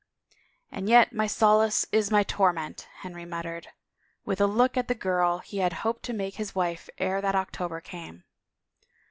" And yet my solace is my torment," Henry muttered, with a look at the girl he had hoped to make his wife ere that October came.